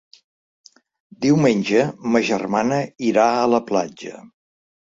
Diumenge ma germana irà a la platja.